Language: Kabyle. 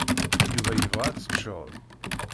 Yuba yebɣa ad teččeḍ.